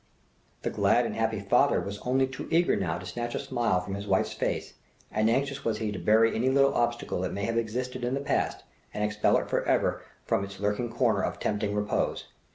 The glad and happy father was only too eager now to snatch a smile from his wife's face, and anxious was he to bury any little obstacle that may have existed in the past, and expel it for ever from its lurking corner of tempting repose.